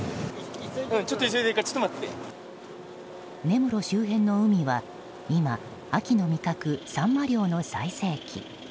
根室周辺の海は今、秋の味覚サンマ漁の最盛期。